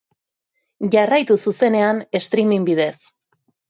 Jarraitu zuzenean streaming bidez.